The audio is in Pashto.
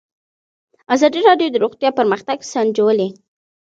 ازادي راډیو د روغتیا پرمختګ سنجولی.